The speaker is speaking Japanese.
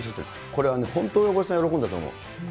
これはね、本当に親御さん、喜んだと思う。